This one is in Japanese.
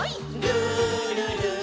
「るるる」